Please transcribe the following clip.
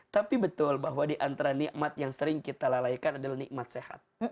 tapi betul bahwa diantara nikmat yang sering kita lalaikan adalah nikmat sehat